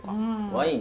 ワイン？